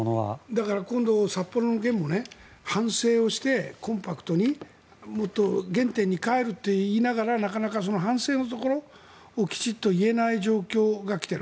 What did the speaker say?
だから今度の札幌の件も反省をしてコンパクトにもっと原点に返ると言いながらなかなかその反省のところをきちんと言えない状況が来ている。